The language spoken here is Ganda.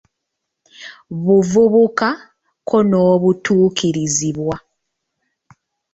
Buvubuka ko n’obutuukirizibwa